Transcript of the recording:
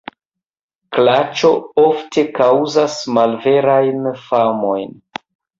Klaĉo ofte kaŭzas malverajn famojn.